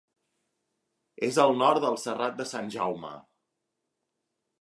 És al nord del Serrat de Sant Jaume.